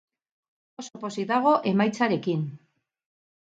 Oso pozik dago emaitzarekin.